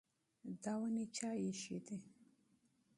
دا ونې چا ایښې دي؟